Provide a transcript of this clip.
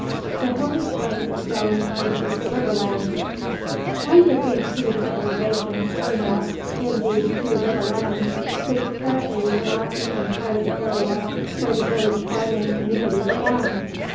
THE HILLY FLANKS ZONE VERSUS THE RIVER LANDS Why did these two civilizations spring up in these two river lands which apparently were not even part of the area where the village farming community began?